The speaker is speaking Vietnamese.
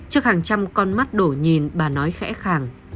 trước hàng trăm con mắt đổ nhìn bà nói khẽ hàng